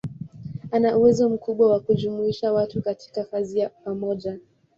Ana uwezo mkubwa wa kujumuisha watu katika kazi ya pamoja.